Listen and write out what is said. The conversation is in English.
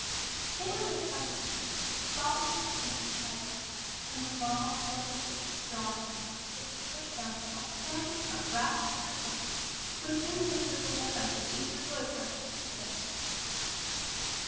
It was a tiny house, but spotlessly clean and tidy, and the long, low, dainty drawing room into which they were shown had a sense of rest and repose which insensibly affected even the boys' restless spirits.